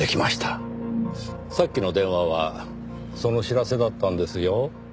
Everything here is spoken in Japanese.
さっきの電話はその知らせだったんですよ。